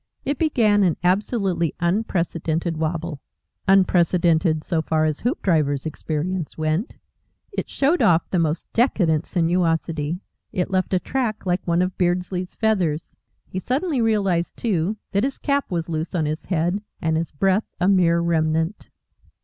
It began an absolutely unprecedented Wabble unprecedented so far as Hoopdriver's experience went. It "showed off" the most decadent sinuosity. It left a track like one of Beardsley's feathers. He suddenly realised, too, that his cap was loose on his head and his breath a mere remnant.